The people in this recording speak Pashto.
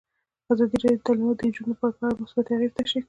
ازادي راډیو د تعلیمات د نجونو لپاره په اړه مثبت اغېزې تشریح کړي.